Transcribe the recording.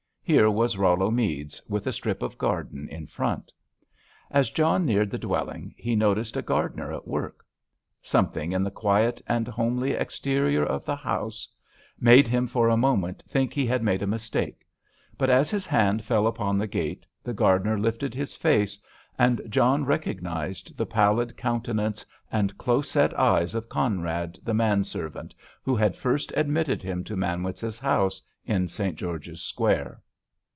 Here was Rollo Meads, with a strip of garden in front. As John neared the dwelling he noticed a gardener at work. Something in the quiet and homely exterior of the house made him for a moment think he had made a mistake, but as his hand fell upon the gate the gardener lifted his face, and John recognised the pallid countenance and close set eyes of Conrad, the manservant who had first admitted him to Manwitz's house in St. George's Square.